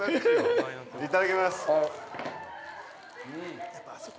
◆いただきます。